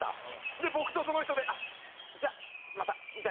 で僕とその人で「あっじゃあまた」みたいな感じで。